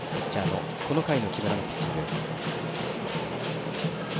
この回の木村のピッチング。